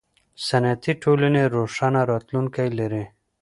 صنعتي ټولنې روښانه راتلونکی لري.